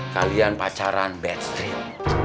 kalian pacaran bad streak